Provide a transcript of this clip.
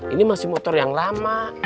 ini masih motor yang lama